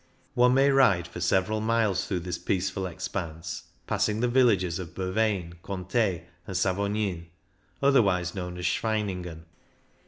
One may ride for several miles through this peaceful ex panse, passing the villages of Burvein, Conters, and Savognin, otherwise known as Schweiningen.